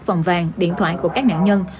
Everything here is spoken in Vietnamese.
vòng vàng điện thoại của các nạn nhân